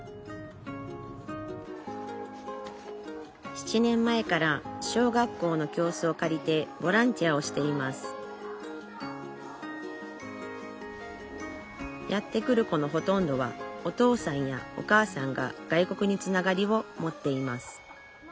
７年前から小学校の教室を借りてボランティアをしていますやって来る子のほとんどはお父さんやお母さんが外国につながりを持っています